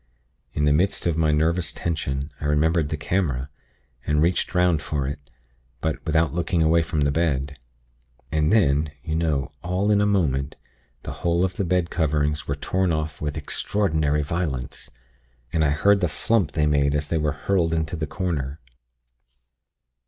In the midst of my nervous tension I remembered the camera, and reached 'round for it; but without looking away from the bed. And then, you know, all in a moment, the whole of the bed coverings were torn off with extraordinary violence, and I heard the flump they made as they were hurled into the corner.